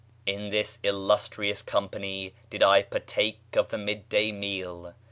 In this illustrious company did I partake of the mid day meal.